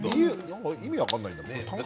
意味分からない。